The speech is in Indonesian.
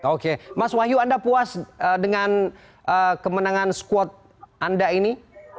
oke mas wahyu anda puas dengan kemenangan squad anda ini